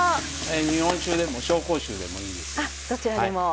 日本酒でも紹興酒でもいいですよ。